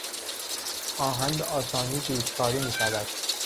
آهن به آسانی جوشکاری میشود.